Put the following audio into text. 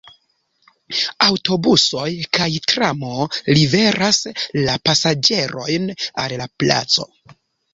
Aŭtobusoj kaj tramo liveras la pasaĝerojn al la placo.